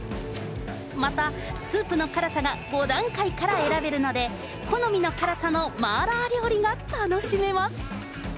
また、スープの辛さが５段階から選べるので、好みの辛さのマーラー料理が楽しめます。